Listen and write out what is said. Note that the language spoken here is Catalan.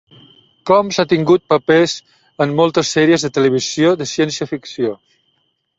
Combs ha tingut papers en moltes sèries de televisió de ciència ficció.